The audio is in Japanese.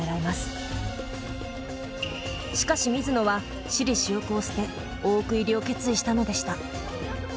しかし水野は私利私欲を捨て大奥入りを決意したのでした。